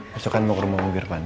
besok kan mau ke rumah bukir pani